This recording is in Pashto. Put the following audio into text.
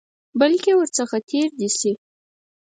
بلکې ورڅخه تېر دي شي.